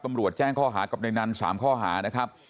แจ้งข้อหากับในนั้น๓ข้อหานะครับ